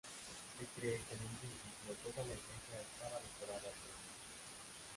Se cree que en un principio, toda la iglesia estaba decorada al fresco.